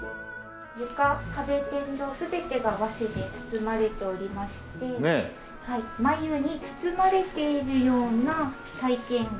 床壁天井全てが和紙で包まれておりまして繭に包まれているような体験が。